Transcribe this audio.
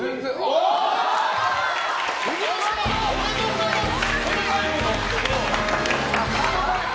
おお！おめでとうございます！